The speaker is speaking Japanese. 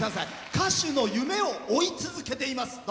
歌手の夢を追い続けています。